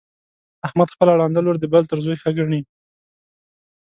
احمد خپله ړنده لور د بل تر زوی ښه ګڼي.